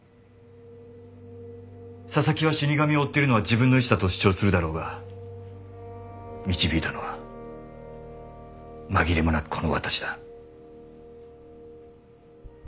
紗崎は死神を追ってるのは自分の意思だと主張するだろうが導いたのは紛れもなくこの私だ。